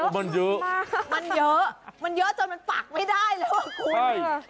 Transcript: มันเยอะมันเยอะมันเยอะจนมันปักไม่ได้แล้วอ่ะคุณ